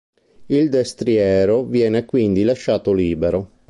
Il destriero viene quindi lasciato libero.